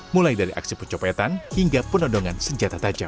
mulai dari aksi pencopetan hingga penodongan senjata tajam